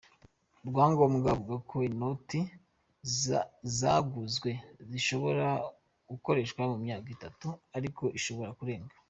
Rwangombwa avuga ko inoti zaguzwe zishobora gukoreshwa mu myaka itatu ariko ishobora kurenga.